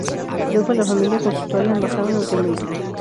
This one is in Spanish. Luego, la familia consultó a la embajada norteamericana.